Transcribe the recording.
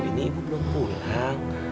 ini ibu belum pulang